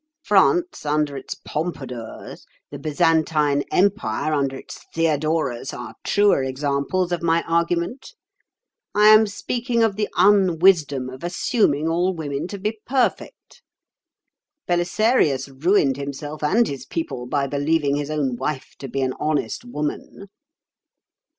France under its Pompadours, the Byzantine Empire under its Theodoras, are truer examples of my argument. I am speaking of the unwisdom of assuming all women to be perfect. Belisarius ruined himself and his people by believing his own wife to be an honest woman."